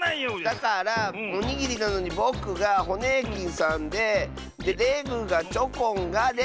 だからおにぎりなのにぼくがホネーキンさんででレグがチョコンがで。